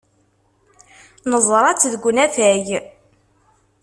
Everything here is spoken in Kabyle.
Neẓra-tt deg unafag.